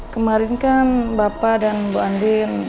kemarin kan bapak dan bu andin